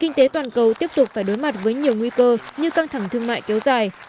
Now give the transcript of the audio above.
kinh tế toàn cầu tiếp tục phải đối mặt với nhiều nguy cơ như căng thẳng thương mại kéo dài